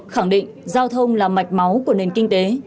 khẳng định giao thông là mạch máu của nền kinh tế